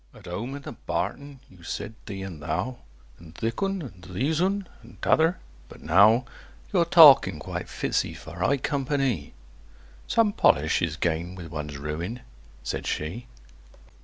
"At home in the barton you said `thee' and `thou,' And `thik oon,' and `theäs oon,' and `t'other'; but now Your talking quite fits 'ee for high compa ny!" "Some polish is gained with one's ruin," said she.